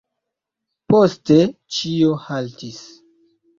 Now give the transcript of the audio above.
Poste ĉio haltis.